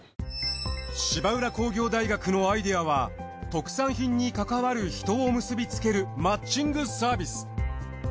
芝浦工業大学のアイデアは特産品に関わる人を結びつけるマッチングサービス。